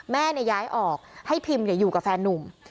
แม่ย้ายออกให้พิมอยู่กับแฟนนุ่ม